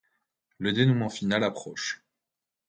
Le dénouement final approche...